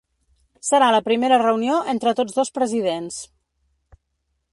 Serà la primera reunió entre tots dos presidents.